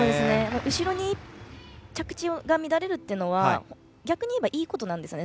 後ろに着地が乱れるというのは逆に言えばいいことなんですよね。